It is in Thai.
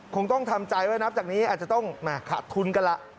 คงต้องทำใจว่านับจากนี้อาจจะต้องขาดทุนกันล่ะ